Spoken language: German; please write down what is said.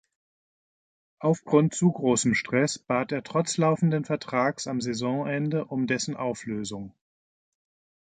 Aufgrund zu großem Stress bat er trotz laufenden Vertrags am Saisonende um dessen Auflösung.